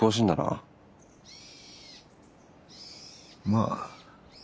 まあ。